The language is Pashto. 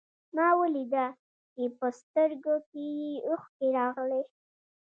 ما وليده چې په سترګو کې يې اوښکې راغلې.